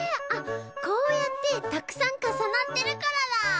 あこうやってたくさんかさなってるからだ！